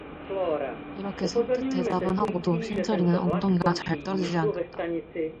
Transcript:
이렇게 선뜻 대답은 하고도 신철이는 엉덩이가 잘 떨어지지 않는다.